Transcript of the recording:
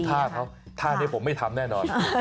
ท่าเขาท่านี้ผมไม่ทำแน่นอน